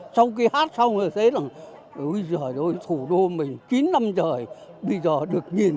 trong khi hát xong rồi thấy là ui dời ơi thủ đô mình chín năm trời bây giờ được nhìn